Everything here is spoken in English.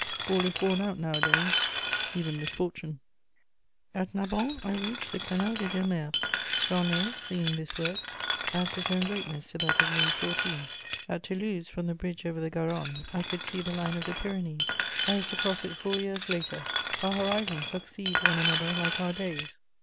All is worn out nowadays, even misfortune. At Narbonne I reached the Canal des Deux Mers. Corneille, singing this work, adds his own greatness to that of Louis XIV. [Sidenote: Toulouse.] At Toulouse, from the bridge over the Garonne, I could see the line of the Pyrenees; I was to cross it four years later: our horizons succeed one another like our days.